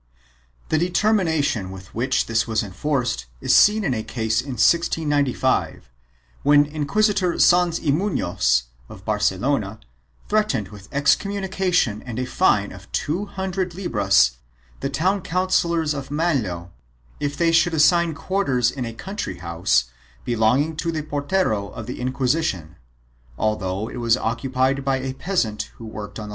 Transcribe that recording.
5 The determination with which this was enforced is seen in a case in 1695, when Inquisitor Sanz y Munoz of Barcelona threat ened with excommunication and a fine of two hundred libras the town councillors of Manlleu if they should assign quarters in a country house belonging to the portero of the Inquisition, although it was occupied by a peasant who worked on the land.